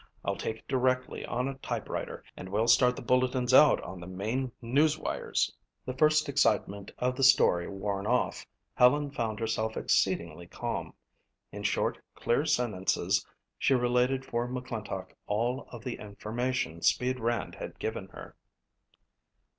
I'll take it directly on a typewriter and we'll start the bulletins out on the main news wires." The first excitement of the story worn off, Helen found herself exceedingly calm. In short, clear sentences she related for McClintock all of the information "Speed" Rand had given her.